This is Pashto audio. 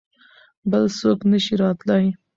بل څوک نه شي راتلای.